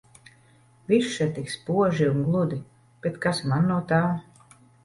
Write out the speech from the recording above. Viss še tik spoži un gludi, bet kas man no tā.